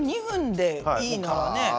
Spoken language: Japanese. ２分でいいならね